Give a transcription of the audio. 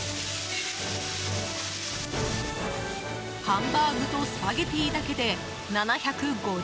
ハンバーグとスパゲティだけで７５０ｇ。